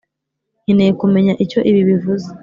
nkeneye kumenya icyo ibi bivuze.